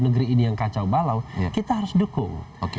negeri ini yang kacau balau kita harus dukung